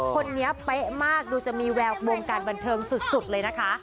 คนนี้เป๊ะมากดูจะมีแวววงการบันเทิงสุดเลยนะคะ